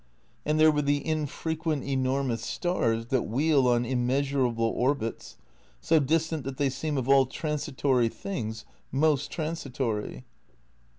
And there were the infrequent, enormous stars that wheel on immeasurable orbits, so distant that they seem of all transitory things most transitory.